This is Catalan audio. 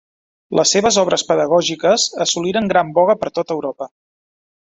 Les seves obres pedagògiques assoliren gran boga per tot Europa.